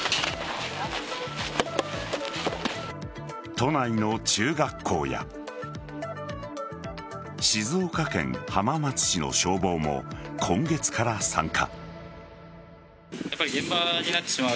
都内の中学校や静岡県浜松市の消防も今月から参加。